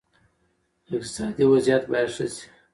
اقتصادي وضعیت باید ښه شي.